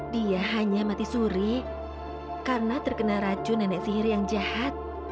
dia hanya mati suri karena terkena racun nenek sihir yang jahat